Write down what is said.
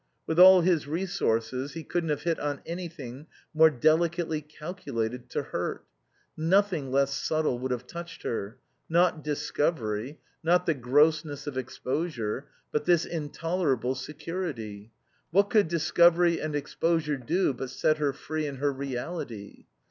With all his resources he couldn't have hit on anything more delicately calculated to hurt. Nothing less subtle would have touched her. Not discovery; not the grossness of exposure; but this intolerable security. What could discovery and exposure do but set her free in her reality?